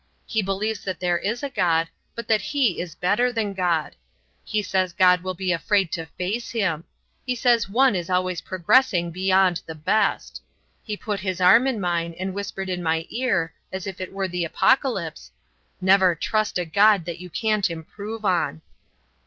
He believes that there is a God, but that he is better than God. He says God will be afraid to face him. He says one is always progressing beyond the best. He put his arm in mine and whispered in my ear, as if it were the apocalypse: 'Never trust a God that you can't improve on.'"